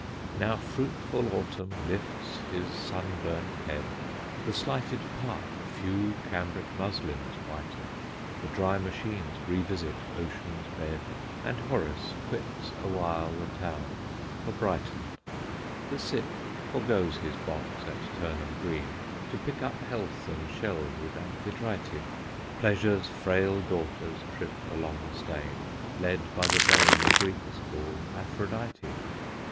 _ Now fruitful autumn lifts his sunburnt head, The slighted Park few cambric muslins whiten, The dry machines revisit Ocean's bed, And Horace quits awhile the town for Brighton. The cit foregoes his box at Turnham Green, To pick up health and shells with Amphitrite, Pleasure's frail daughters trip along the Steyne, Led by the dame the Greeks call Aphrodite.